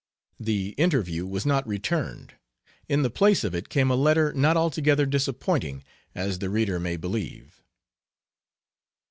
The interview was not returned; in the place of it came a letter not altogether disappointing, as the reader may believe.